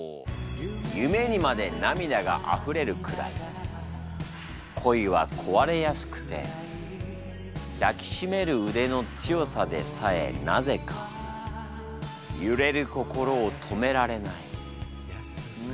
「夢にまで涙があふれるくらい恋はこわれやすくて抱きしめる腕のつよさでさえなぜかゆれる心をとめられない」。